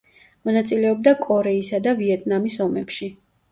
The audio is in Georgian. მონაწილეობდა კორეისა და ვიეტნამის ომებში.